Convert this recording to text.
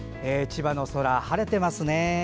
千葉の空、晴れていますね。